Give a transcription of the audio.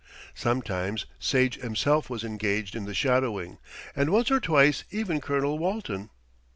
Sometimes Sage himself was engaged in the shadowing, and once or twice even Colonel Walton.